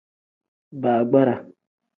Baagbara.